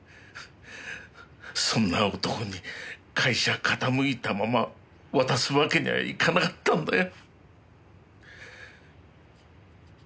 そんな男に会社傾いたまま渡すわけにはいかなかったんだよ。